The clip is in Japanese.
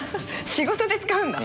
仕事で使うんだ？